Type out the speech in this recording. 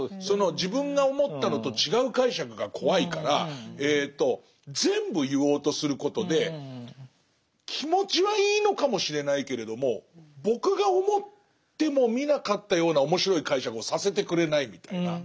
その自分が思ったのと違う解釈が怖いから全部言おうとすることで気持ちはいいのかもしれないけれども僕が思ってもみなかったような面白い解釈をさせてくれないみたいな。